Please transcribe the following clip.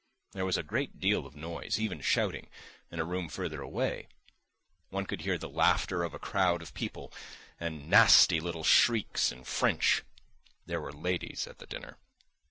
There was a great deal of noise, even shouting, in a room further away; one could hear the laughter of a crowd of people, and nasty little shrieks in French: there were ladies at the dinner.